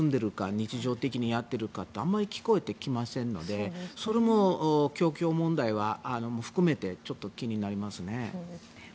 日常的にやってるかってあんまり聞こえてきませんのでそれも供給問題も含めてちょっと気になりますね。